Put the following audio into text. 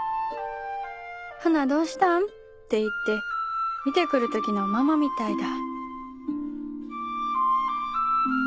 「『華どうしたん？』って言って見て来る時のママみたいだ」